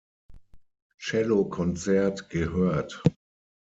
Cellokonzert gehört.